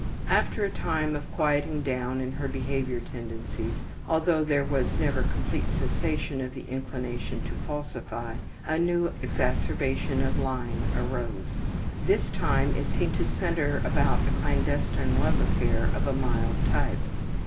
After a time of quieting down in her behavior tendencies, although there was never complete cessation of the inclination to falsify, a new exacerbation of lying arose. This time it seemed to center about a clandestine love affair of a mild type.